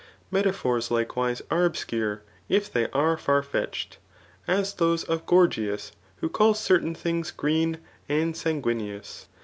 Metaphors likewise are obscure, if they are far fetched ; as those of Gorgias, who calls certain things, green and sanguineous.